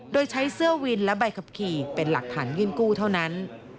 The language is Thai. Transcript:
โดยใช้เสื้อวินและใบขับขี่เป็นหลักฐานยื่นกู้เท่านั้น